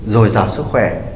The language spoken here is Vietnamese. rồi rào sức khỏe